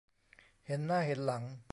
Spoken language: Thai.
เห็นหน้าเห็นหลัง